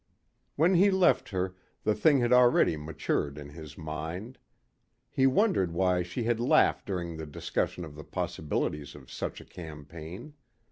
When he left her the thing had already matured in his mind. He wondered why she had laughed during the discussion of the possibilities of such a campaign.